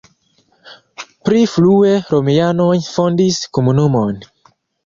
Pli frue romianoj fondis komunumon.